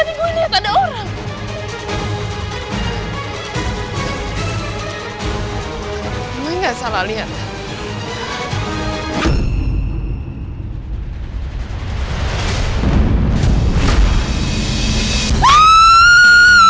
apa pas yang masa husband sahabat ini ini terselinget mau mau